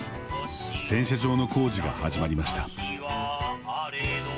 洗車場の工事が始まりました。